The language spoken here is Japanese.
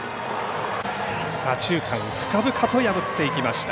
左中間、深々と破っていきました。